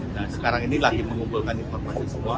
nah sekarang ini lagi mengumpulkan informasi semua